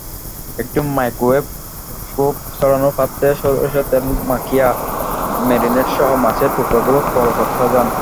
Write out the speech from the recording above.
একটি মাইক্রোওয়েভ-প্রুফ ছড়ানো পাত্রে সরষের তেল মাখিয়ে ম্যারিনেটসহ মাছের টুকরাগুলো পরপর সাজান।